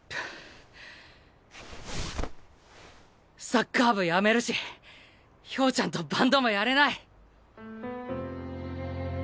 サッカー部やめるし兵ちゃんとバンドもやれない。